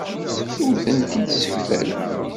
Ur tent-id-ssekfaleɣ.